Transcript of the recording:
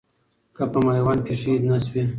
که په ميوند کښي شهيد نه شوې